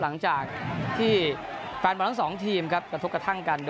หลังจากที่แฟนหม่อนทั้ง๒ทีมกระทบกระทั่งกัน